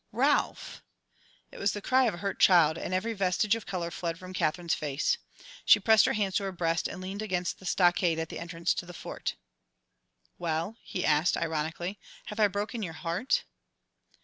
"Ralph!" It was the cry of a hurt child, and every vestige of colour fled from Katherine's face. She pressed her hands to her breast and leaned against the stockade at the entrance to the Fort. "Well?" he asked ironically, "have I broken your heart?"